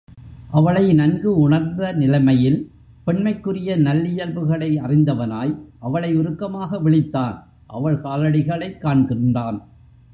அவளை நன்கு உணர்ந்த நிலைமையில் பெண்மைக்குரிய நல்லியல்புகளை அறிந்தவனாய் அவளை உருக்கமாக விளித்தான் அவள் காலடிகளைக் காண்கின்றான்.